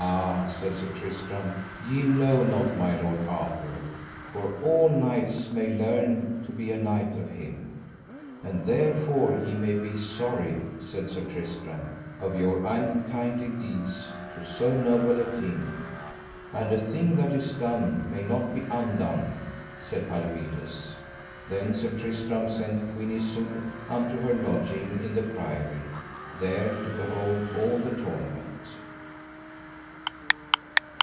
Ah, said Sir Tristram, ye know not my lord Arthur, for all knights may learn to be a knight of him. And therefore ye may be sorry, said Sir Tristram, of your unkindly deeds to so noble a king. And a thing that is done may not be undone, said Palomides. Then Sir Tristram sent Queen Isoud unto her lodging in the priory, there to behold all the tournament.